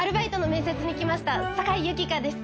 酒井由紀香です。